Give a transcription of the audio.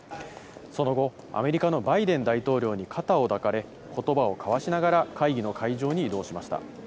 その後、アメリカのバイデン大統領に肩を抱かれ、言葉を交わしながら会議の会場に移動しました。